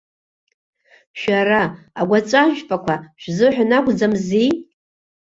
Шәара, агәаҵәажәпақәа, шәзыҳәан акәӡамзи!